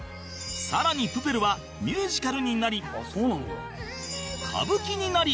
さらに『プペル』はミュージカルになり歌舞伎になり